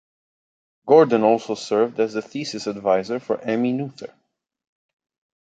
Gordan also served as the thesis advisor for Emmy Noether.